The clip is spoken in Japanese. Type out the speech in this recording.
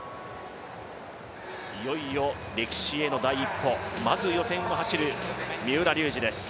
いよいよ歴史への第一歩、まず予選を走る三浦龍司です。